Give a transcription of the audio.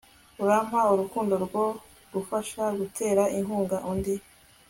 urampa urukundo rwo gufasha gutera inkunga undi